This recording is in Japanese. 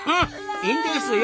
いいんですよ！